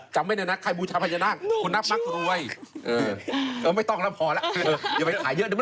กลับไม่เนื่องนะใครบูชาเฝญนาคคนน้ำมากรวย